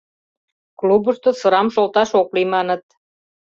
— Клубышто сырам шолташ ок лий, маныт.